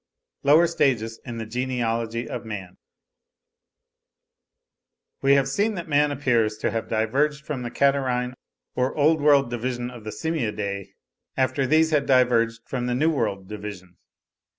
LOWER STAGES IN THE GENEALOGY OF MAN. We have seen that man appears to have diverged from the Catarrhine or Old World division of the Simiadae, after these had diverged from the New World division.